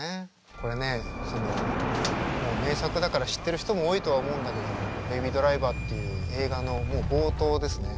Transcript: これねもう名作だから知ってる人も多いとは思うんだけども「ベイビー・ドライバー」っていう映画のもう冒頭ですね。